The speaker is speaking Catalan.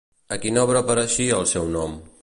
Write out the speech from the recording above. A quina obra apareixeria el seu nom?